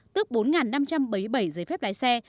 tước bốn năm trăm bảy mươi bảy giấy phép lái xe